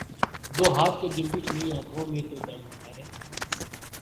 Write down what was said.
گو ہاتھ کو جنبش نہیں آنکھوں میں تو دم ہے